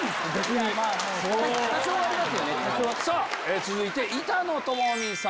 続いて板野友美さん